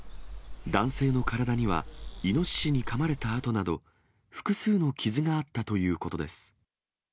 男性の体には、イノシシにかまれた跡など、複数の傷があったということです。